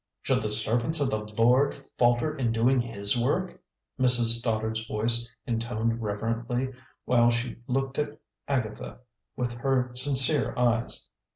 "Should the servants of the Lord falter in doing His work?" Mrs. Stoddard's voice intoned reverently, while she looked at Agatha with her sincere eyes.